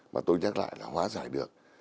mà tôi nhắc lại là hóa giải được